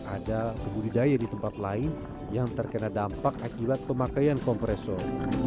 ada kebudidaya di tempat lain yang terkena dampak akibat pemakaian kompresor